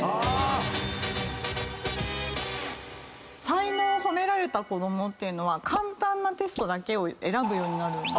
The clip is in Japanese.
才能を褒められた子供って簡単なテストだけを選ぶようになるんです。